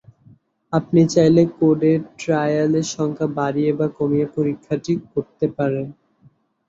আপনি চাইলে কোডের ট্রায়েল এর সংখ্যা বাড়িয়ে বা কমিয়ে পরীক্ষাটি করতে পারেন।